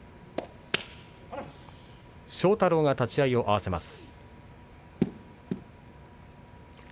庄太郎が立ち合いを合わせます。